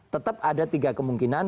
tetap ada tiga kemungkinan